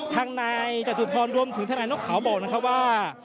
ทางนายจตุภรรณรวมถึงท่านอัยนกขาวบอกนะครับว่า